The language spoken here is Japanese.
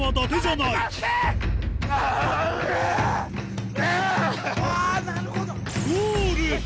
なるほど。